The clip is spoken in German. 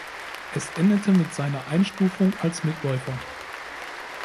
Es endete mit seiner Einstufung als Mitläufer.